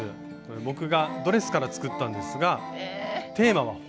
僕がドレスから作ったんですがテーマは「炎」。